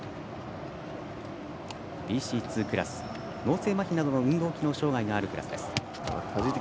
ＢＣ２クラス、脳性まひなどの運動機能障がいがあるクラスです。